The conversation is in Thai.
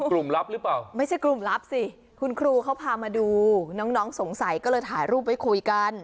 ลับหรือเปล่าไม่ใช่กลุ่มลับสิคุณครูเขาพามาดูน้องสงสัยก็เลยถ่ายรูปไว้คุยกัน